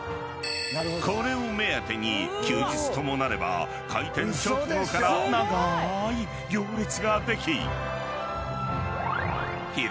［これを目当てに休日ともなれば開店直後から長ーい行列ができ］